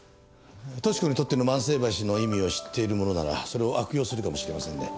敏子にとっての万世橋の意味を知っているものならそれを悪用するかもしれませんね。